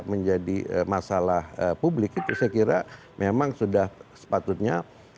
menjadi masalah publik itu saya kira memang sudah sepatutnya